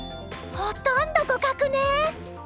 ほとんど互角ね。